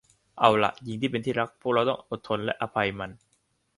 เอาล่ะ หญิงอันเป็นที่รัก พวกเราต้องอดทนและให้อภัยมัน